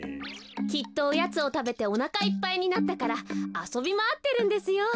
きっとオヤツをたべておなかいっぱいになったからあそびまわってるんですよ。